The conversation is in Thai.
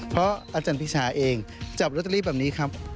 เพราะอาจารย์พิชาเองจับลอตเตอรี่แบบนี้ครับ